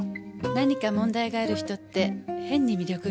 何か問題がある人って変に魅力があるの。